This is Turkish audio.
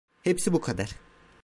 Hepsi bu kadar.